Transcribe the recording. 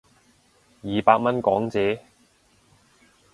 二百蚊港紙